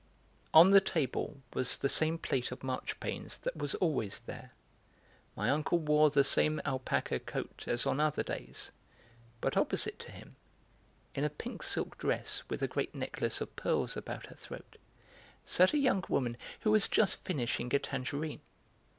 On the table was the same plate of marchpanes that was always there; my uncle wore the same alpaca coat as on other days; but opposite to him, in a pink silk dress with a great necklace of pearls about her throat, sat a young woman who was just finishing a tangerine.